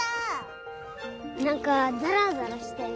なんかザラザラしてる。